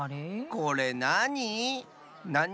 これなに？